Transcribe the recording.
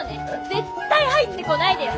絶対入ってこないでよ！